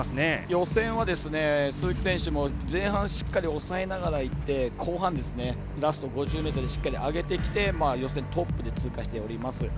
予選は鈴木選手も前半しっかり抑えながらいって後半、ラスト５０ｍでしっかり上げてきて予選トップで通過しております。